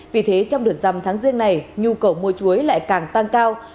vì thế trong đợt dằm tháng riêng này nhu cầu mua chuối lại càng tăng cao